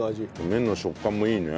麺の食感もいいね。